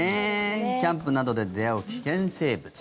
キャンプなどで出会う危険生物。